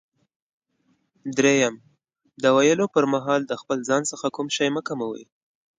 دریم: د ویلو پر مهال د خپل ځان څخه کوم شی مه کموئ.